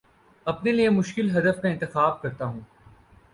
اپنے لیے مشکل ہدف کا انتخاب کرتا ہوں